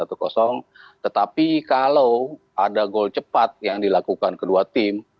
tetapi kalau ada gol cepat yang dilakukan kedua tim